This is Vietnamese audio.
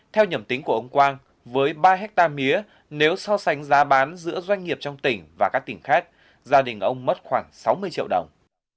theo nhầm tính của ông quang với ba hectare mía nếu so sánh giá bán giữa doanh nghiệp trong tỉnh và các tỉnh khác gia đình ông mất khoảng sáu mươi triệu đồng